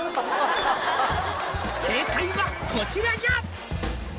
「正解はこちらじゃ」